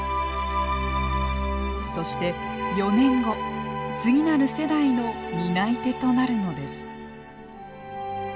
そして４年後次なる世代の担い手となるのです。